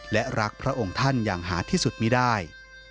และรักพระองค์ท่านอย่างหาที่สุดมีได้